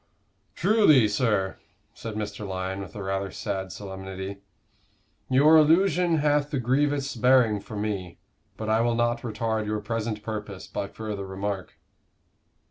"Truly, sir," said Mr. Lyon, with a rather sad solemnity, "your allusion hath a grievous bearing for me, but I will not retard your present purpose by further remark."